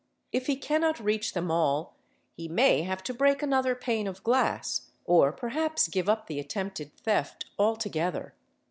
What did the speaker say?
If he cannot reach ' them all he may have to break another pane of glass or perhaps give up the attempted theft altogether.